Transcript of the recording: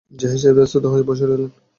জাহিদ সাহেব স্তব্ধ হয়ে বসে রইলেন।